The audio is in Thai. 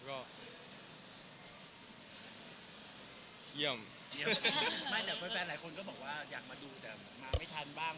หล่ะเดี๋ยวแฟนไหลคนนั้นก็บอกแบบอยากมาดูแต่มาไม่ทันบ้าง